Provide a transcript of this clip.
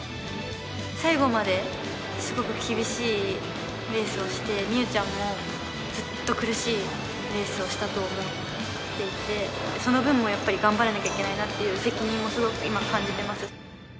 最後まですごく厳しいレースをして、美宇ちゃんもずっと苦しいレースをしたと思っていて、その分もやっぱり、頑張らなきゃいけないなという責任もすごく今、感じています。